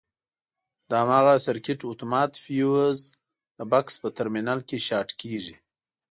د هماغه سرکټ اتومات فیوز د بکس په ترمینل کې شارټ کېږي.